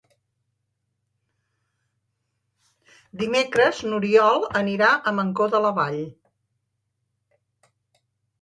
Dimecres n'Oriol anirà a Mancor de la Vall.